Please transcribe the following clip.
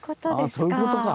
あそういうことか。